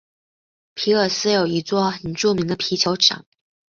皮尔斯有一座很著名的啤酒厂。